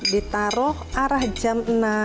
ditaruh arah jam enam